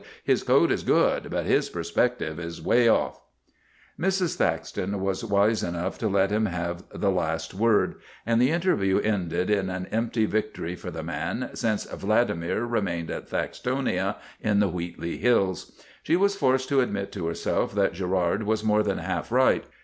" His coat is good, but his perspective is away off." Mrs. Thaxton was wise enough to let him have the last word, and the interview ended in an empty victory for the man, since Vladimir remained at Thaxtonia in the Wheatley Hills. She was forced to admit to herself that Girard was more than half right.